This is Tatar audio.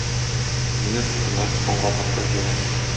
Мине тоттылар, ханга тапшырдылар.